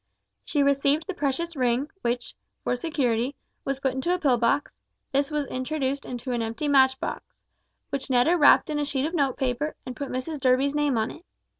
She received the precious ring, which, for security, was put into a pill box; this was introduced into an empty match box, which Netta wrapped in a sheet of note paper and put Mrs Durby's name on it.